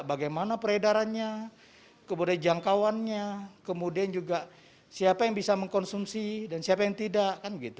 bagaimana peredarannya kemudian jangkauannya kemudian juga siapa yang bisa mengkonsumsi dan siapa yang tidak